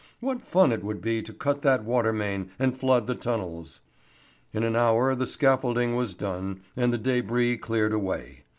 What fun it would be to cut that water main and flood the tunnels! In an hour the scaffolding was done and the débris cleared away.